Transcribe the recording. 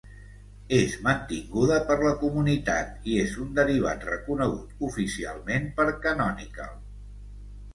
És mantinguda per la comunitat i és un derivat reconegut oficialment per Canonical.